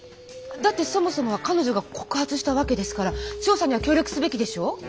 だってそもそもは彼女が告発したわけですから調査には協力すべきでしょう？